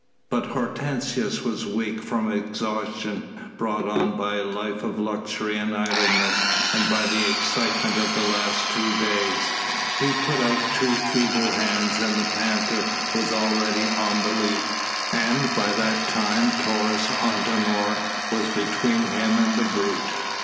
But Hortensius was weak from exhaustion brought on by a life of luxury and idleness and by the excitement of the last two days. He put out two feeble hands, and the panther was already on the leap. And by that time Taurus Antinor was between him and the brute.